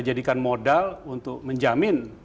jadikan modal untuk menjamin